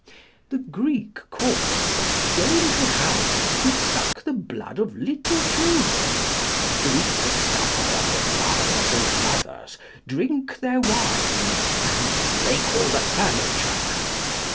The Greek corpses go into houses to suck the blood of little children, to eat the supper of the fathers and mothers, drink their wine, and break all the furniture.